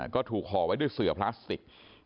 ก็ถูกห่อไว้ด้วยเสือพลาสติก